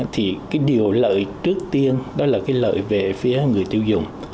thì cái điều lợi trước tiên đó là cái lợi về phía người tiêu dùng